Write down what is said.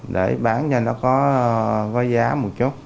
để bán cho nó có giá một chút